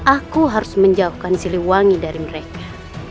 aku harus menjauhkan siliwangi dari mereka